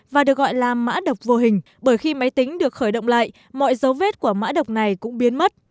và được gọi là mã độc vô hình bởi khi máy tính được khởi động lại mọi dấu vết của mã độc này cũng biến mất